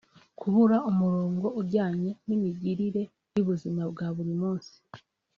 kubura umurongo ujyanye n’imigirire y’ubuzima bwa buri munsi